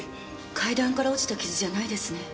階段から落ちた傷じゃないですね。